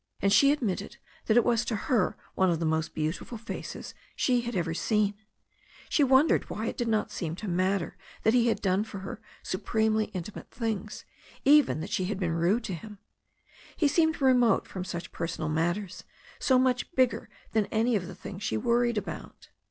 And she admitted that it was to her one of the most beautiful faces she had ever seen. She wondered why it did not seem to matter that he had done for her supremely intimate things, even that she had been rude to him. He seemed remote from such personal matters, so much bigger than any of the / things she worried about.